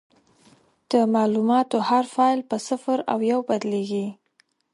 د معلوماتو هر فایل په صفر او یو بدلېږي.